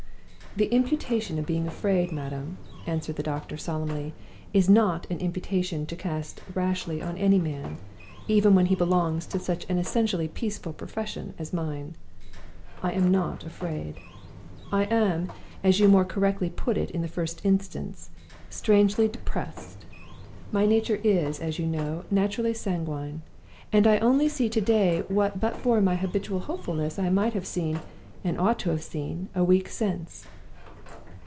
"The imputation of being afraid, madam," answered the doctor, solemnly, "is not an imputation to cast rashly on any man even when he belongs to such an essentially peaceful profession as mine. I am not afraid. I am (as you more correctly put it in the first instance) strangely depressed. My nature is, as you know, naturally sanguine, and I only see to day what but for my habitual hopefulness I might have seen, and ought to have seen, a week since."